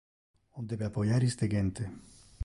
On debe appoiar iste gente.